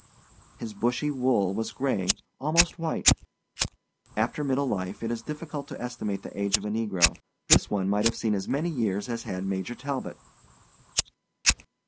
His bushy wool was gray—almost white. After middle life, it is difficult to estimate the age of a negro. This one might have seen as many years as had Major Talbot.